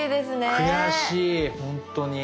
悔しいほんとに。